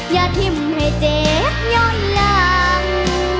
ยาทิ้มให้แจ๊บย้อยหลัง